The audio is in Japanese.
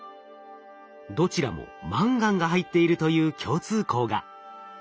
どちらもマンガンが入っているという共通項が。